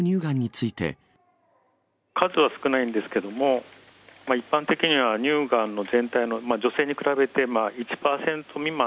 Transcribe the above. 数は少ないんですけども、一般的には乳がんの全体の、女性に比べて１％未満。